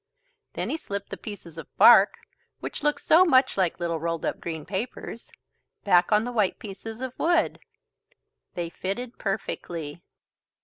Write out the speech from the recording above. Then he slipped the pieces of bark, which looked so much like little rolled up green papers, back on the white pieces of wood. They fitted perfectly.